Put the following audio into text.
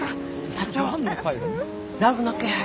社長ラブの気配。